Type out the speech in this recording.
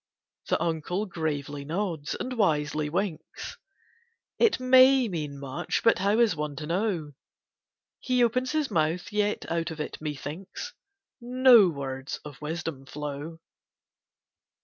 The Uncle gravely nods, and wisely winks. It may mean much, but how is one to know? He opens his mouth—yet out of it, methinks, No words of wisdom flow.